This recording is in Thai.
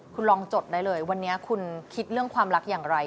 คุณลองจดได้เลยวันนี้คุณคิดเรื่องความรักอย่างไร